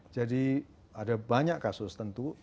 jadi ada banyak kasus tentu